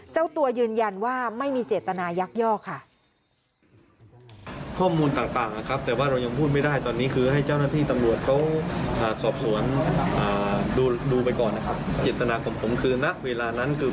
เจ้าตัวยืนยันว่าไม่มีเจตนายักยอกค่ะ